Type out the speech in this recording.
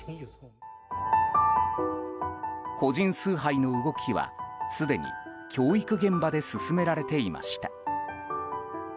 個人崇拝の動きはすでに教育現場で進められていました。